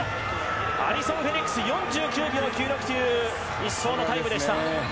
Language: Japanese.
アリソン・フェリックス４９秒９６という１走のタイムでした。